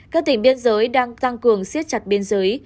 các tỉnh biên giới đang tăng cường siết chặt biên giới